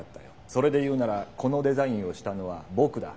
それで言うならこの「デザイン」をしたのは僕だ。